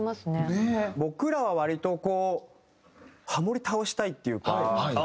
僕らは割とこうハモり倒したいっていうか。